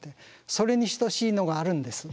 それに等しいのがあるんです。